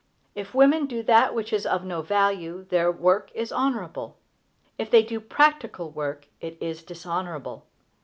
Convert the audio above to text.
If women do that which is of no value, their work is honorable. If they do practical work, it is dishonorable.